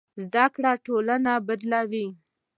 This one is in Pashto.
زده کړه ټولنه بدلوي.